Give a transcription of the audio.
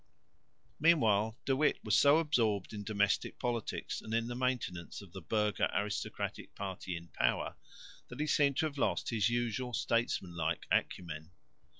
Meanwhile De Witt was so absorbed in domestic politics and in the maintenance of the burgher aristocratic party in power, that he seemed to have lost his usual statesmanlike acumen.